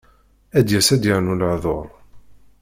Ad d-yas ad d-yernu lehdur.